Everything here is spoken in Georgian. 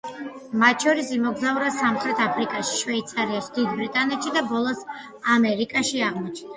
მათ შორის, იმოგზაურა სამხრეთ აფრიკაში, შვეიცარიაში, დიდ ბრიტანეთში და ბოლოს, ამერიკაში აღმოჩნდა.